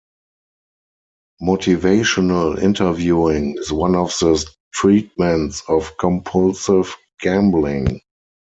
Motivational interviewing is one of the treatments of compulsive gambling.